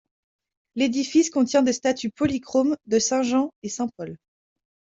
L'édifice contient des statues polychromes de saint Jean et saint Paul.